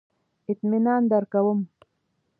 اطمینان درکوم.